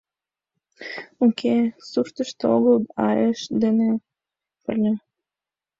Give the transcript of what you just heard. Уке, суртышто огыл, а еш дене пырля.